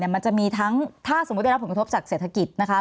มันจะมีทั้งถ้าสมมุติได้รับผลกระทบจากเศรษฐกิจนะคะ